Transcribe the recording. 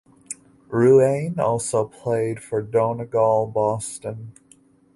Ruane also played for Donegal Boston.